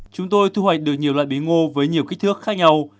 chúng tôi thu hoạch được nhiều loại bí ngô với nhiều kích thước khác nhau